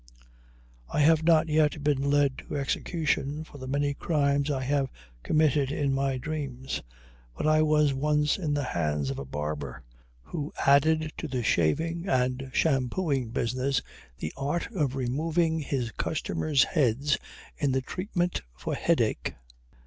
I have not yet been led to execution for the many crimes I have committed in my dreams, but I was once in the hands of a barber who added to the shaving and shampooing business the art of removing his customers' heads in treatment for headache.